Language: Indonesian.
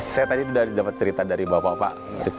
saya tadi sudah dapat cerita dari bapak pak